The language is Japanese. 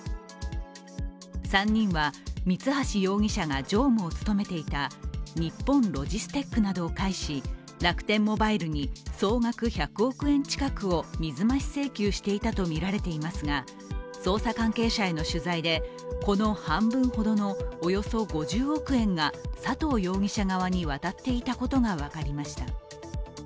３人は三橋容疑者が常務を務めていた日本ロジステックなどを介し楽天モバイルに総額１００億円近くを水増し請求していたとみられていますが捜査関係者への取材でこの半分ほどのおよそ５０億円が佐藤容疑者側に渡っていたことが分かりました。